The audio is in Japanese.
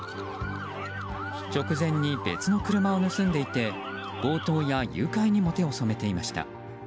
直前に別の車を盗んでいて強盗や誘拐にも手を染めていました。